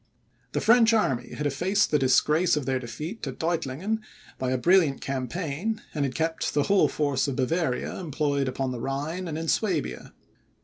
The French army had effaced the disgrace of their defeat at Deutlingen by a brilliant campaign, and had kept the whole force of Bavaria employed upon the Rhine and in Suabia.